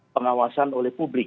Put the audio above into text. pengawasan oleh publik